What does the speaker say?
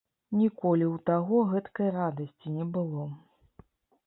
Ніколі ў таго гэткай радасці не было.